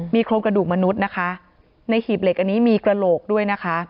โครงกระดูกมนุษย์นะคะในหีบเหล็กอันนี้มีกระโหลกด้วยนะคะ